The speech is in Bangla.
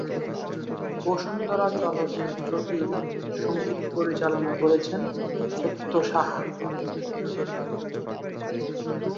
বসুন্ধরা চলচ্চিত্রটির সঙ্গীত পরিচালনা করেছেন সত্য সাহা।